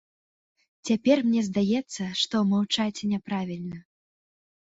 Цяпер мне здаецца, што маўчаць няправільна.